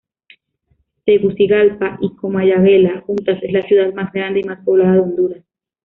Tegucigalpa y Comayagüela, juntas, es la ciudad más grande y más poblada de Honduras.